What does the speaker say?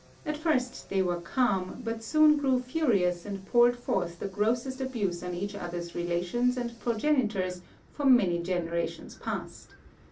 At first they were calm, but soon grew furious and poured forth the grossest abuse on each other's relations and progenitors for many generations past.